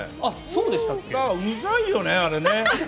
うざいよね、あれね。